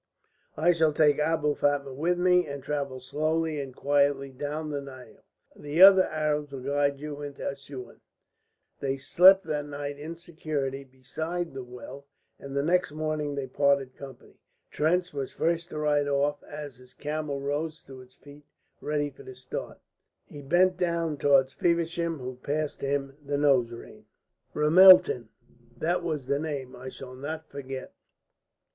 "I shall take Abou Fatma with me and travel slowly and quietly down the Nile. The other Arab will guide you into Assouan." They slept that night in security beside the well, and the next morning they parted company. Trench was the first to ride off, and as his camel rose to its feet, ready for the start, he bent down towards Feversham, who passed him the nose rein. "Ramelton, that was the name? I shall not forget."